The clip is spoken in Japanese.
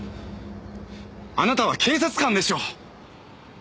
あなたは警察官でしょう！